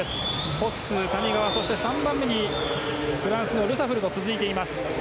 ホッスー、谷川そして３番目にフランスのルサフルと続いています。